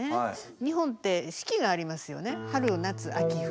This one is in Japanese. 日本って四季がありますよね春夏秋冬。